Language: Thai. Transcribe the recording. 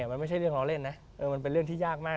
มันไม่ใช่เรื่องล้อเล่นนะมันเป็นเรื่องที่ยากมาก